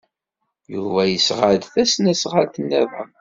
Yuba yesɣa-d tasnasɣalt niḍen.